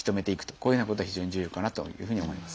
こういうふうなことが非常に重要かなというふうに思います。